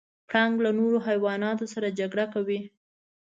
پړانګ له نورو حیواناتو سره جګړه کوي.